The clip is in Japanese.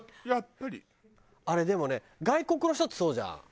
あれでもね外国の人ってそうじゃん。